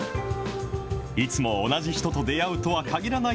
いつも同じ人と出会うとはかぎらない